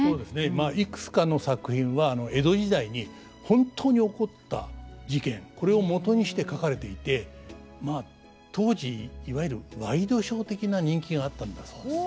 まあいくつかの作品は江戸時代に本当に起こった事件これをもとにして書かれていてまあ当時いわゆるワイドショー的な人気があったんだそうです。